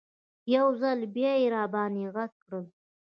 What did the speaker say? یو ځل بیا یې راباندې غږ کړل.